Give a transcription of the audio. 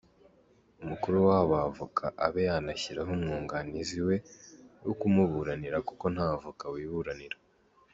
Umukuru w’Abavoka abe yanashyiraho umwunganizi we wo kumuburanira kuko nta Avoka wiburanira.